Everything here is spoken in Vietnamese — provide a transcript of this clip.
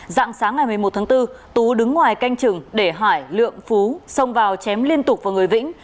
dạng sáng ngày một mươi một tháng bốn tú đứng ngoài canh chừng để hải lượng phú xông vào chém liên tục vào người vĩnh